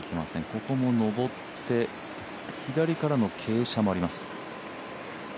ここも上って左からの傾斜もあります。